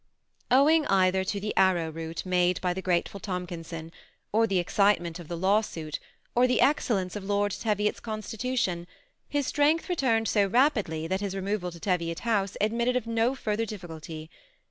Owing either to the arrowroot made by the gratefal Tomkinson, or the excitement of the lawsuit, or the excellence of Lord Teviot's constitution, his strength returned so rapidly, that his removal to Teviot House admitted of no further difficulty.